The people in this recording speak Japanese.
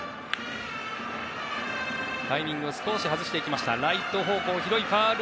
タイミングを外していきました。